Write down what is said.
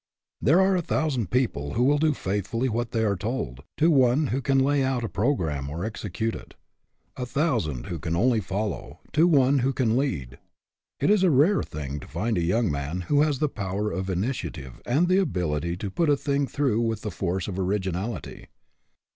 There are a thousand people who will do faithfully what they are told, to one who can lay out a programme or execute it; a thou sand who can only follow, to one who can lead. It is a rare thing to find a young man who has the power of initiative and the ability to put a thing through with the force of orig inality.